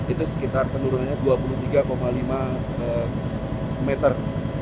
itu sekitar penurunannya dua puluh tiga lima meter